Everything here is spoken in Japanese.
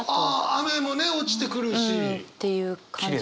雨もね落ちてくるし！っていう感じかな。